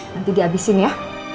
nanti di abisin ya